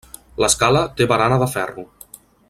L'escala té barana de ferro.